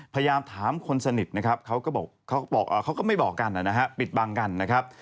พยายามถามคนสนิทนะครับเขาก็บอกเขาก็ไม่บอกกันนะฮะปิดบังกันนะครับ